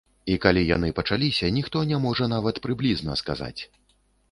І калі яны пачаліся, ніхто не можа нават прыблізна сказаць.